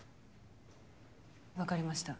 分かりました。